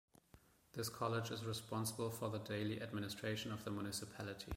This College is responsible for the daily administration of the municipality.